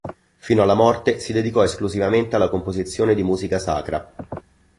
Fino alla morte si dedicò esclusivamente alla composizione di musica sacra.